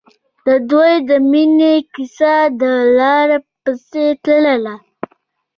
د دوی د مینې کیسه د لاره په څېر تلله.